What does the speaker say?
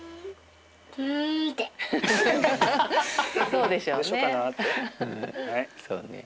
そうでしょうね。